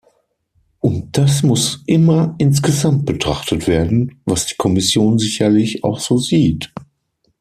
Und das muss immer insgesamt betrachtet werden, was die Kommission sicherlich auch so sieht.